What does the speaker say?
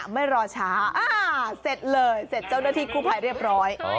ไม่รอช้าเสร็จเลยเสร็จเจ้าหน้าที่กู้ภัยเรียบร้อย